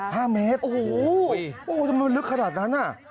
เท่าไหร่ครับโอ้โฮมันลึกขนาดนั้นน่ะ